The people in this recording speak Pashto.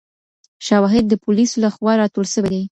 شواهد د پولیسو لخوا راټول سوي دي.